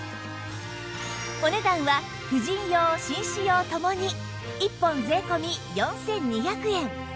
お値段は婦人用紳士用共に１本税込４２００円